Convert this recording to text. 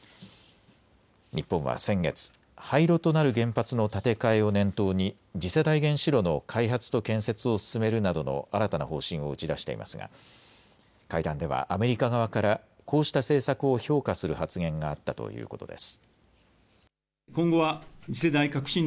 日本は先月、廃炉となる原発の建て替えを念頭に次世代原子炉の開発と建設を進めるなどの新たな方針を打ち出していますが会談ではアメリカ側からこうした政策を評価する発言があったということです。